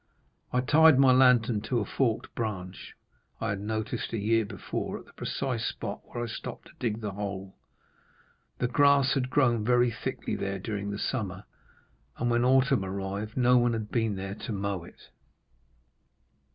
I tied my lantern to a forked branch I had noticed a year before at the precise spot where I stopped to dig the hole. "The grass had grown very thickly there during the summer, and when autumn arrived no one had been there to mow it.